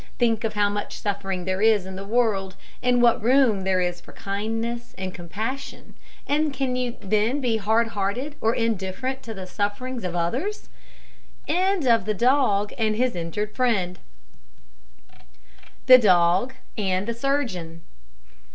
Think of how much suffering there is in the world, and what room there is for kindness and compassion; and can you then be hard hearted, or indifferent to the sufferings of others? THE DOG AND THE SURGEON.